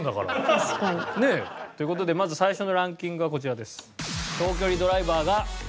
確かに。という事でまず最初のランキングはこちらです。